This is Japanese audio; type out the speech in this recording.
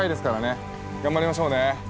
頑張りましょうね。